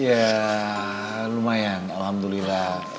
ya lumayan alhamdulillah